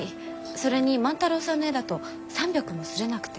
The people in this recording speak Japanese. それに万太郎さんの絵だと３００も刷れなくて。